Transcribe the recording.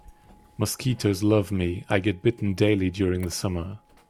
Mosquitoes love me, I get bitten daily during the summer.